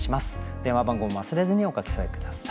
電話番号も忘れずにお書き添え下さい。